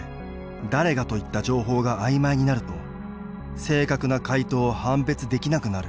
「だれが」といった情報があいまいになると正確な回答を判別できなくなる